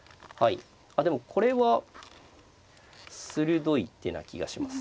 でもこれは鋭い手な気がします。